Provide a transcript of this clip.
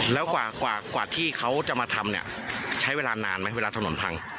แล้วกว่าที่เขาจะมาทำเนี่ยใช้เวลานานไหมเวลาถนนพัง